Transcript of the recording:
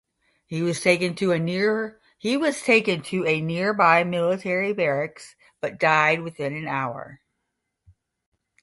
He was taken to a nearby military barracks but died within an hour.